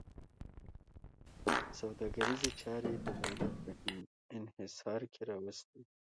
سوداګریزې چارې د دولت په انحصار کې راوستې وې.